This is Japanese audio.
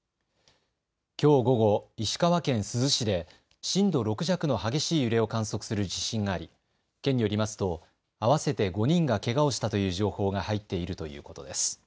きょう午後、石川県珠洲市で震度６弱の激しい揺れを観測する地震があり、県によりますと合わせて５人がけがをしたという情報が入っているということです。